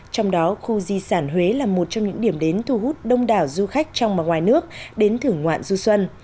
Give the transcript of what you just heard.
trong đó khu di sản huế là một trong những điểm đến thu hút đông đảo du khách trong và ngoài nước đến thưởng ngoạn du xuân